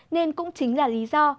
nên cũng chính là lý do